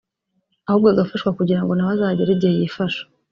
ahubwo agafashwa kugira ngo nawe azagere igihe yifasha